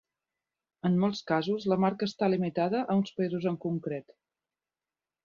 En molts casos la marca està limitada a uns països en concret.